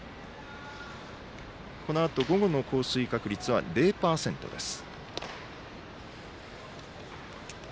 このあと午後の降水確率は０％です。